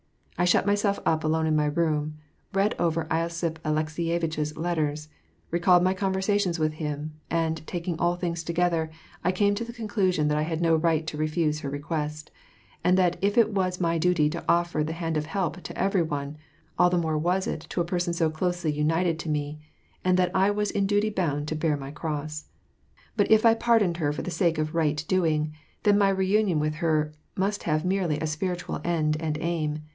I shut myself up alone in my room, read over losiph Alekseyevitch's letters, recalled my conversations with him, and, taking all things together, I came to the conclusion that I had no right to refuse her reauest; and that if it was my duty to offer the hand of help to every one, all the more was it to a person so closely united to me, and that I was in duty bound to bear uiy cross. But if I pardoned her for the sake of right doing, then my re union with her must have merely. a spiritual end and aim.